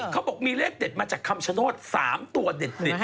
เขาบอกมีเลขเด็ดมาจากคำชโนธ๓ตัวเด็ด